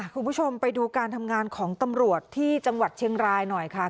คุณผู้ชมไปดูการทำงานของตำรวจที่จังหวัดเชียงรายหน่อยค่ะ